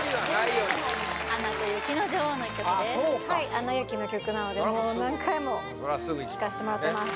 「アナ雪」の曲なのでもう何回も聴かせてもらってます